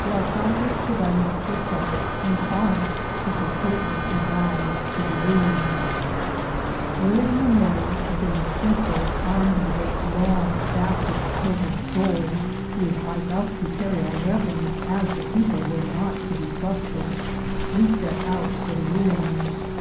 The alcalde provided us with supper, and promised to procure us a guide to the ruins. Early in the morning, with a Mestitzo armed with a long basket hilted sword, who advised us to carry our weapons, as the people were not to be trusted, we set out for the ruins.